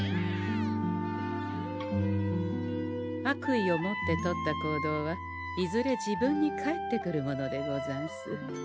悪意を持って取った行動はいずれ自分に返ってくるものでござんす。